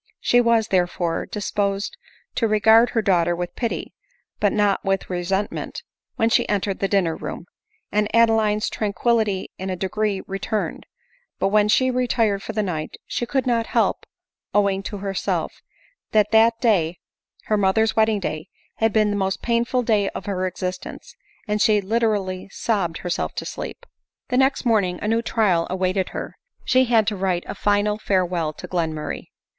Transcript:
She was, therefore, dis posed to regard her daughter with pity, but not with re sentment, when she entered the dinner room, and Ade line's tranquillity in a degree returned ; but when she re tired for the night she could not help owning to herself, VM»W«^«WdWi ADELINE MOWBRAY. 33 that that day, her mother's wedding day, had been the most painful day of her existence — and she literally sob bed herself to deep. The next morning a new trial awaited her ; she had to write a final farewell to Glenmurray.